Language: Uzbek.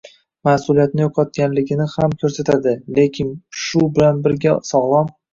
mas’uliyatni” yo‘qotganligini ham ko‘rsatadi, lekin shu bilan birga sog‘lom